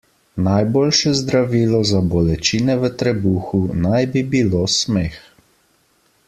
Najboljše zdravilo za bolečine v trebuhu naj bi bilo smeh.